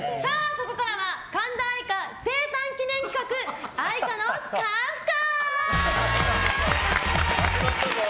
ここからは神田愛花生誕記念企画愛花のカフカ！